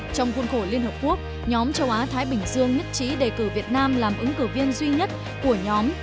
trong khuôn khổ liên hợp quốc nhóm châu á thái bình dương nhất trí đề cử việt nam làm ứng cử viên duy nhất của nhóm